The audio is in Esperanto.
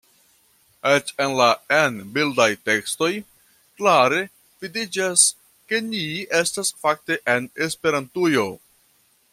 Eĉ en la en-bildaj tekstoj klare vidiĝas, ke ni estas fakte en Esperantujo.